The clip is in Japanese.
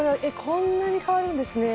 こんなに変わるんですね